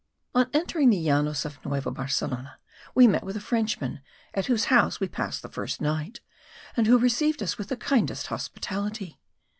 On entering the Llanos of Nueva Barcelona, we met with a Frenchman, at whose house we passed the first night, and who received us with the kindest hospitality.